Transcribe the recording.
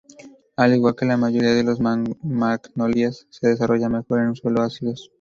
Al igual que la mayoría de las magnolias, se desarrolla mejor en suelos ácidos.